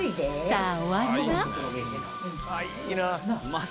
さぁお味は？